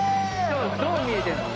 どう見えてんの？